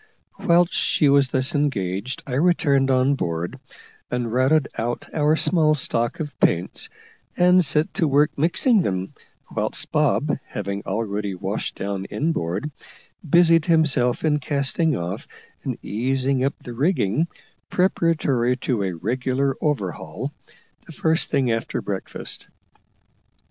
Whilst she was thus engaged I returned on board, and routed out our small stock of paints, and set to work mixing them, whilst Bob, having already washed down inboard, busied himself in casting off and easing up the rigging preparatory to a regular overhaul, the first thing after breakfast.